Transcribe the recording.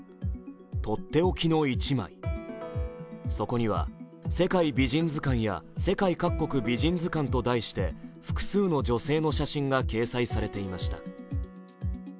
とっておきの１枚、そこには世界美人図鑑世界各国美人図鑑と題して複数の女性の写真が掲載されていました。